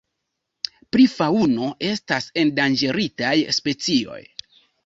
Pri faŭno estas endanĝeritaj specioj.